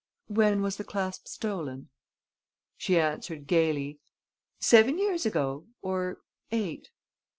"When was the clasp stolen?" She answered gaily: "Seven years ago ... or eight